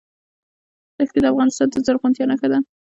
دښتې د افغانستان د زرغونتیا نښه ده.